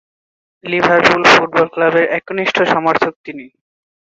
Liverpool football ক্লাবের একনিষ্ঠ সমর্থক তিনি।